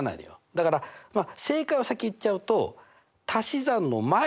だから正解を先言っちゃうと足し算の前で区切る。